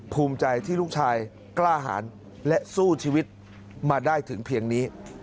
ภูมิใจที่ลูกชายกล้าหารและสู้ชีวิตมาได้ถึงเพียงนี้